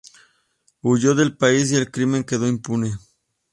Huyó del país y el crimen quedó impune.